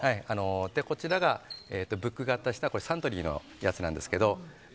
こちらがブック型をしたサントリーのやつなんですが。